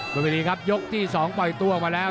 บริเวณนี้ครับยกที่๒ปล่อยตัวออกมาแล้ว